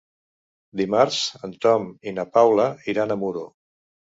Dimarts en Tom i na Paula iran a Muro.